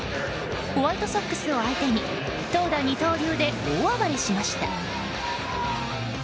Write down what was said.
ホワイトソックスを相手に投打二刀流で大暴れしました。